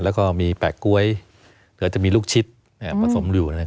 แล้วก็มีแปะก๋วยเหลือจะมีลูกชิดนะครับผสมอยู่